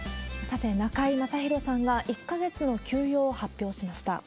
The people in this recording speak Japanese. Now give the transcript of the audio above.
さて、中居正広さんが１か月の休養を発表しました。